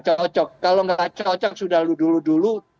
cocok kalau nggak cocok sudah dulu dulu